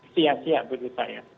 sia sia menurut saya